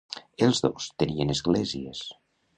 Els dos tenien esglésies.